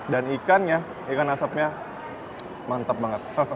dan ikannya ikan asapnya mantap banget